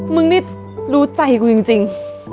มึงนี่รู้ใจกูจริง